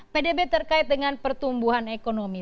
pdb terkait dengan pertumbuhan ekonomi